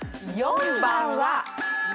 ４番は。